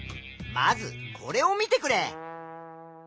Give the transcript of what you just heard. まずこれを見てくれ。